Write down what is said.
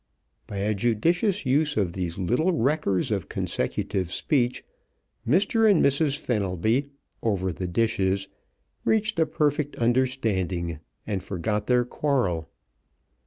By a judicious use of these little wreckers of consecutive speech Mr. and Mrs. Fenelby, over the dishes, reached a perfect understanding and forgot their quarrel.